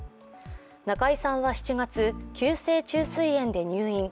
中居さんは７月、急性虫垂炎で入院。